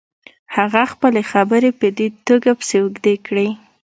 هغه خپلې خبرې په دې توګه پسې اوږدې کړې.